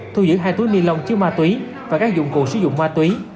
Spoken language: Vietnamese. thu giữ hai túi ni lông chứa ma túy và các dụng cụ sử dụng ma túy